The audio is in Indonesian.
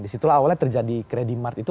di situlah awalnya terjadi credit mark itu